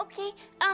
tempat diri aku ya